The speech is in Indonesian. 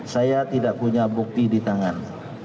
saya tidak punya bukti di tangan